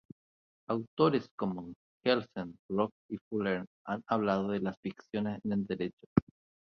Autores como Kelsen, Ross y Fuller han hablado de las ficciones en el derecho.